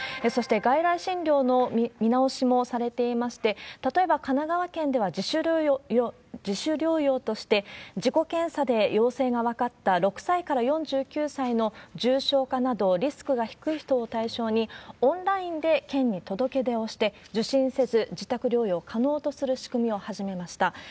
そして外来診療の見直しもされていまして、例えば神奈川県では自主療養として、自己検査で陽性が分かった、６歳から４９歳の重症化などリスクが低い人を対象に、オンラインで県に届け出をして、受診せず、自宅療養可能とする仕組みを始めました。